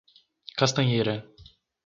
Castanheira